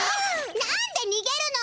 なんでにげるの？